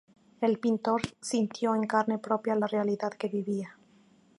El pintor sintió en carne propia la realidad que vivía.